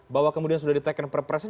bahwa kemudian sudah ditekan perpresnya